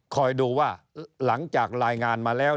คอยดูว่าหลังจากรายงานมาแล้ว